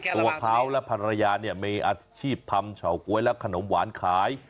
ตัวเขาและภรรยาเนี่ยมีอาชีพทำเฉาก๊วยและขนมหวานขาย